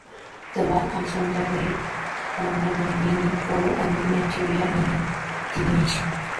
The word comes from the Greek "aleuron", meaning flour, and "manteia", meaning divination.